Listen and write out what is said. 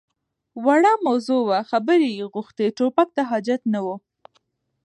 _وړه موضوع وه، خبرې يې غوښتې. ټوپک ته حاجت نه و.